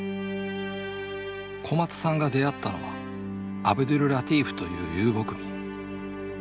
小松さんが出会ったのはアブドュルラティーフという遊牧民。